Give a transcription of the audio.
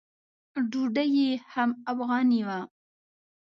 ډوډۍ یې هم افغاني وه.